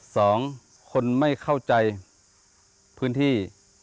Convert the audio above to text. สองคนไม่เข้าใจพื้นที่